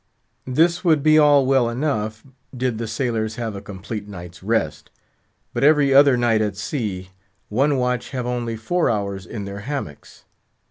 This would be all well enough, did the sailors have a complete night's rest; but every other night at sea, one watch have only four hours in their hammocks.